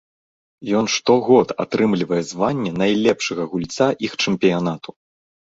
Ён штогод атрымлівае званне найлепшага гульца іх чэмпіянату.